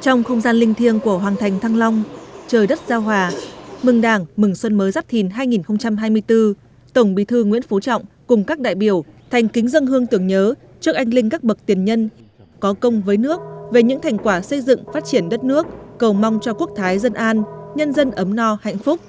trong không gian linh thiêng của hoàng thành thăng long trời đất giao hòa mừng đảng mừng xuân mới giáp thìn hai nghìn hai mươi bốn tổng bí thư nguyễn phú trọng cùng các đại biểu thành kính dân hương tưởng nhớ trước anh linh các bậc tiền nhân có công với nước về những thành quả xây dựng phát triển đất nước cầu mong cho quốc thái dân an nhân dân ấm no hạnh phúc